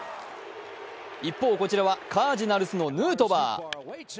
一方、こちらはカージナルスのヌートバー。